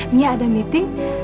mia ada meeting